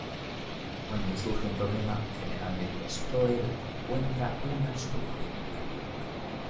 Cuando surge un problema, generalmente es Zoe la que encuentra una solución.